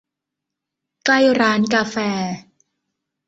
ใกล้ร้านกาแฟ